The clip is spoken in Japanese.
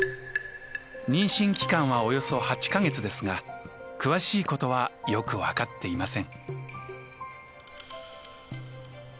妊娠期間はおよそ８か月ですが詳しいことはよく分かっていません。